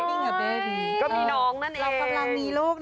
ก็มีน้องนั่นเองเพราะสมมติก็ว่าจงเป็นพวกเลี้ยงน้องประเทศแล้วก็ควฟัง